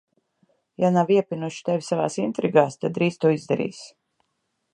Ja nav iepinuši tevi savās intrigās, tad drīz to izdarīs.